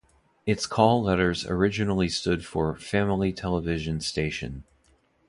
Its call letters originally stood for "Family Television Station".